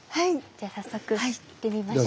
じゃあ早速行ってみましょうか。